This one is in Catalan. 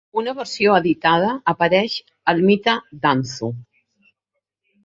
Una versió editada apareix al "Mite d'Anzu".